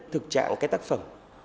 thực trạng các tác phẩm